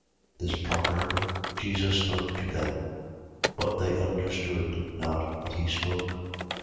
10:6. This proverb Jesus spoke to them. But they understood not what he spoke.